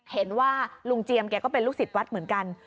เห็นว่าลุงเจียมแกก็เป็นลูกศิษย์วัดเหมือนกัน